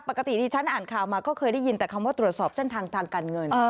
ปกติที่ฉันอ่านข่าวมาก็เคยได้ยินแต่คำว่าตรวจสอบเส้นทางทางการเงิน